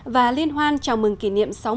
và liên hoan chào mừng kỷ niệm